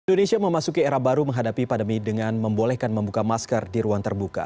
indonesia memasuki era baru menghadapi pandemi dengan membolehkan membuka masker di ruang terbuka